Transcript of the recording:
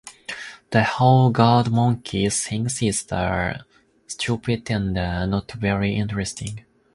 The whole "girl monkey" thing is stupid and not very interesting.